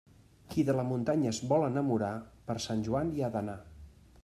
Qui de la muntanya es vol enamorar, per Sant Joan hi ha d'anar.